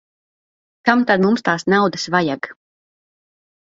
Kam tad mums tās naudas vajag.